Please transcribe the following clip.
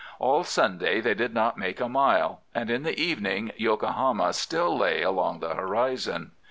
All Sunday they did not make a mile, and in the evening Yokohama still lay along the horizon.